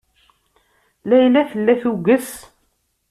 Layla tella tuges.